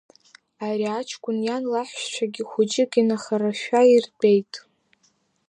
Ари аҷкәын иан лаҳәшьцәагьы хәыҷык инахарашәа иртәеит.